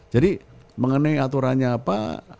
jadi mengenai aturannya apa